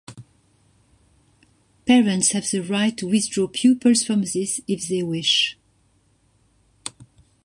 Parents have the right to withdraw pupils from this if they wish.